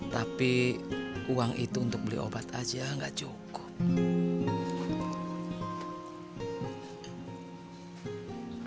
tapi uang itu untuk beli obat aja nggak cukup